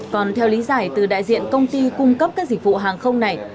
còn theo lý giải từ đại diện công ty cung cấp các dịch vụ hàng không này